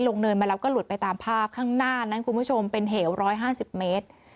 เนินมาแล้วก็หลุดไปตามภาพข้างหน้านั้นคุณผู้ชมเป็นเหว๑๕๐เมตร